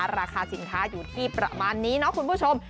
ราคาสินค้าอยู่ที่ประมาณนี้เนาะคุณผู้ชม